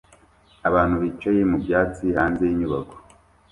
Abantu bicaye mu byatsi hanze yinyubako